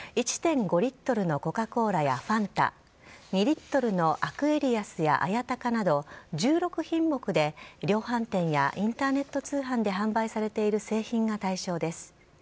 １．５リットルのコカ・コーラやファンタ、２リットルのアクエリアスや綾鷹など、１６品目で量販店やインターネット通販で販売されている製品が対象です。